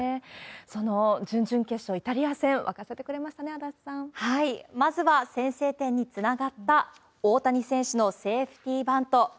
その準々決勝、イタリア戦、まずは先制点につながった大谷選手のセーフティーバント。